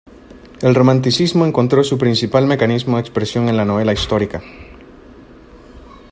El romanticismo encontró su principal mecanismo de expresión en la novela histórica.